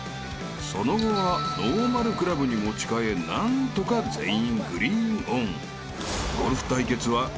［その後はノーマルクラブに持ち替え何とか全員グリーンオン］